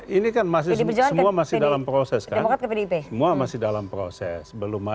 ini kan masih semua masih dalam proses kan semua masih dalam proses